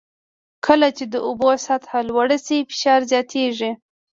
کله چې د اوبو سطحه لوړه شي فشار زیاتېږي.